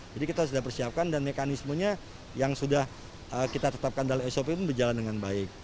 jadi kita sudah persiapkan dan mekanismenya yang sudah kita tetapkan dalam sop ini berjalan dengan baik